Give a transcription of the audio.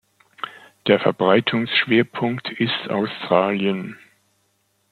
Der Verbreitungsschwerpunkt ist Australien.